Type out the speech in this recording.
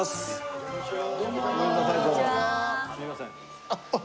こんにちは。